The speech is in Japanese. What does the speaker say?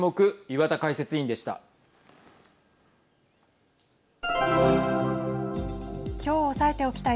岩田解説委員でした。